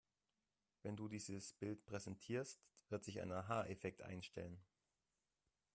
Wenn du dieses Bild präsentierst, wird sich ein Aha-Effekt einstellen.